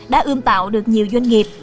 đã ưm tạo được nhiều doanh nghiệp